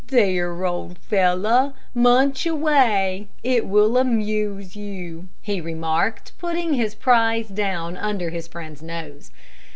"There, old fellow, munch away it will amuse you," he remarked, putting his prize down under his friend's nose.